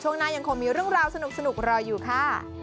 หน้ายังคงมีเรื่องราวสนุกรออยู่ค่ะ